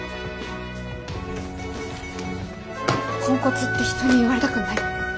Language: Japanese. ポンコツって人に言われたくない。